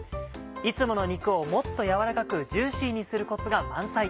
いつもの肉をもっと軟らかくジューシーにするコツが満載。